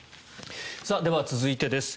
では、続いてです。